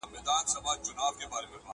له ازل څخه یې لار نه وه میندلې؛